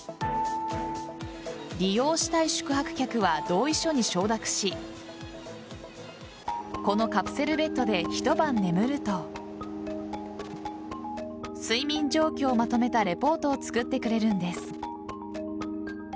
利用したい宿泊客は同意書に承諾しこのカプセルベッドで一晩眠ると睡眠状況をまとめたレポートを作ってくれるんです。